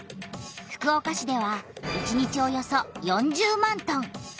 福岡市では１日およそ４０万トン！